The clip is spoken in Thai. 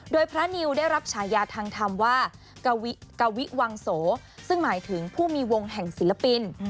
โดยพระนิวได้รับฉายาทางธรรมว่ากวิวังโสซึ่งหมายถึงผู้มีวงแห่งศิลปิน